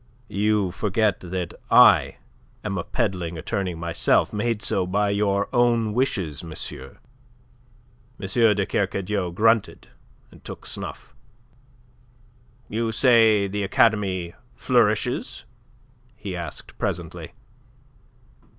"You forget that I am a peddling attorney myself, made so by your own wishes, monsieur." M. de Kercadiou grunted, and took snuff. "You say the academy flourishes?" he asked presently.